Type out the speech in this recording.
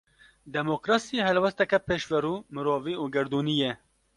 Demokrasî, helwesteke pêşverû, mirovî û gerdûnî ye